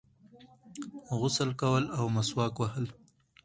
غسل کول او مسواک وهل